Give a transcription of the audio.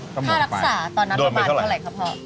ถ้ารักษาตอนนั้นประมาณเท่าไรคะพ่อ